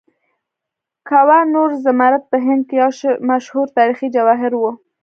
کوه نور زمرد په هند کې یو مشهور تاریخي جواهر و.